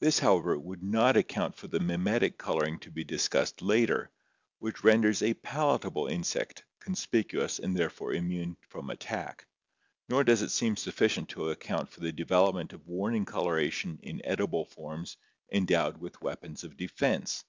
This, however, would not account for the mimetic coloring to be discussed later (page 244) which renders a palatable insect conspicuous and therefore immune from attack, nor does it seem sufficient to account for the development of warning colora tion in edible forms endowed with weapons of defense.